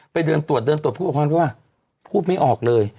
ไปเดินตรวจเดินตรวจพูดบอกว่าพูดไม่ออกเลย